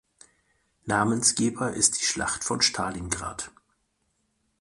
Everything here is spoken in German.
Namensgeber ist die Schlacht von Stalingrad.